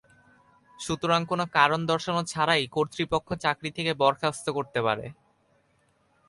সুতরাং কোনো কারণ দর্শানো ছাড়াই কর্তৃপক্ষ চাকরি থেকে বরখাস্ত করতে পারে।